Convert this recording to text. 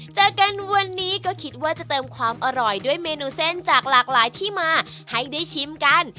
เจอกันวันนี้ก็คิดว่าจะเติมความอร่อยด้วยเมนูเส้นจากหลากหลายที่มาให้ได้ชิมกัน